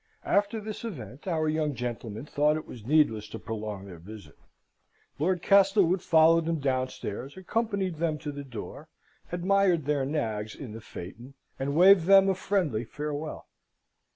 After this event our young gentlemen thought it was needless to prolong their visit. Lord Castlewood followed them downstairs, accompanied them to the door, admired their nags in the phaeton, and waved them a friendly farewell.